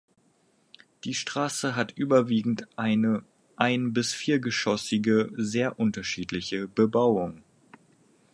Die Straße hat überwiegend eine ein bis viergeschossige sehr unterschiedliche Bebauung.